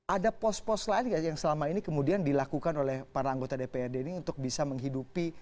ada pos pos lain nggak yang selama ini kemudian dilakukan oleh para anggota dprd ini untuk bisa menghidupi